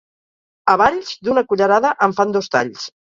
A Valls, d'una cullerada en fan dos talls.